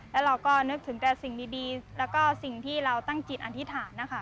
แล้วเราก็นึกถึงแต่สิ่งดีแล้วก็สิ่งที่เราตั้งจิตอธิษฐานนะคะ